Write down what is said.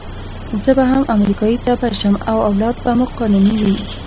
زه به هم امریکایي تبعه شم او اولاد به مو قانوني وي.